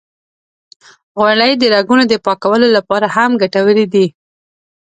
غوړې د رګونو د پاکولو لپاره هم ګټورې دي.